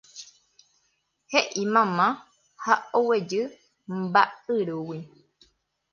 He'i mama ha oguejy mba'yrúgui.